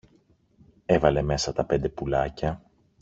Έβαλε μέσα τα πέντε πουλάκια.